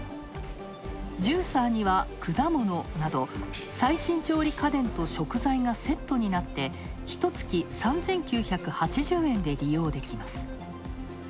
ジューサーには果物など、最新調理家電と食材がセットになってひとつき３９８０円で利用できます。